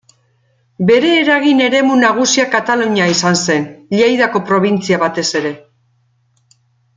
Bere eragin-eremu nagusia Katalunia izan zen, Lleidako probintzia batez ere.